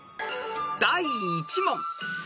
［第１問］